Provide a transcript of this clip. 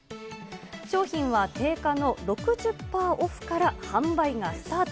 商品は定価の６０パーオフから販売がスタート。